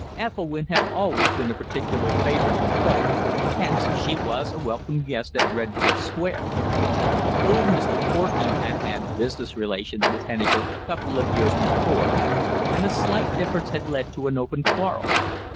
Ethelwynn had always been a particular favourite with both, hence she was a welcome guest at Redcliffe Square. Old Mr. Courtenay had had business relations with Henniker a couple of years before, and a slight difference had led to an open quarrel.